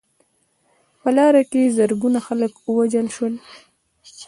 په لاره کې زرګونه خلک ووژل شول.